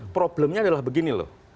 problemnya adalah begini loh